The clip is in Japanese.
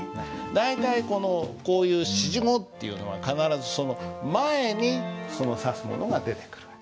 大体このこういう指示語っていうのは必ずその前にその指すものが出てくる訳。